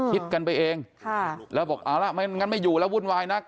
คิดกันไปเองแล้วบอกเอาละไม่งั้นไม่อยู่แล้ววุ่นวายนัก